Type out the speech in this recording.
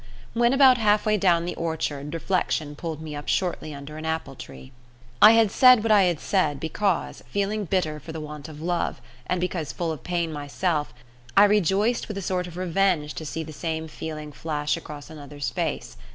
When about half way down the orchard reflection pulled me up shortly under an apple tree. I had said what I had said because, feeling bitter for the want of love, and because full of pain myself, I rejoiced with a sort of revenge to see the same feeling flash across another's face.